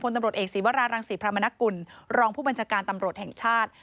พลตำลดเอกศีวรารังศีพรรมนรกุลรองผู้บรรชการตำโบรตแห่งชาติ